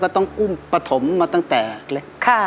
ก็ต้องอุ้มประถมมาตั้งแต่เล็กค่ะ